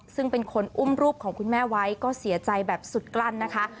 ซึ่งเป็นคนอุ้มรูปของคุณแม่ไว้ก็เสียใจแบบสุดกลั้นนะคะ